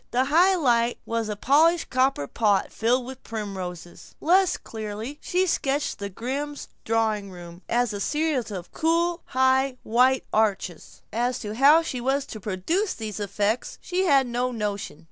The high light was a polished copper pot filled with primroses. Less clearly she sketched the Grimm drawing room as a series of cool high white arches. As to how she was to produce these effects she had no notion.